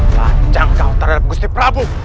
panjang kau terhadap gusti prabu